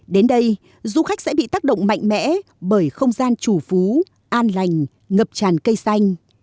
đến đây du khách sẽ bị tác động mạnh mẽ bởi không gian chủ phú an lành ngập tràn cây xanh